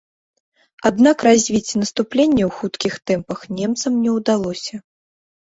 Аднак развіць наступленне ў хуткіх тэмпах немцам не ўдалося.